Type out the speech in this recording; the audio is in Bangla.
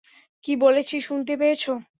কি বলেছি শুনতে পেয়েছ?